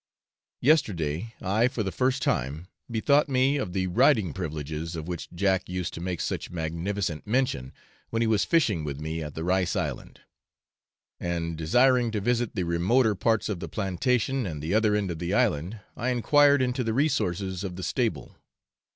Yesterday I for the first time bethought me of the riding privileges of which Jack used to make such magnificent mention when he was fishing with me at the rice island; and desiring to visit the remoter parts of the plantation and the other end of the island, I enquired into the resources of the stable.